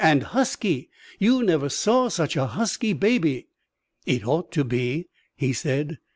And husky. You never saw such a husky baby." "It ought to be," he said.